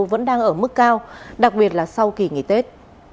vẫn đang ở mức cao đặc biệt là sau kỳ nghỉ tết